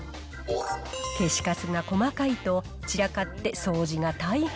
消しカスが細かいと散らかって掃除が大変。